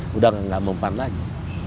sudah tidak mempan lagi